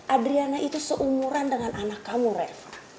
adriana itu seumuran dengan anak kamu reva